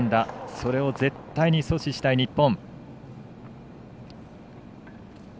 それを絶対に阻止したい日本。